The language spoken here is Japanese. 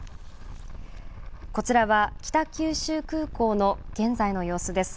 こちらは北九州空港の現在の様子です。